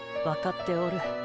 わかっておる。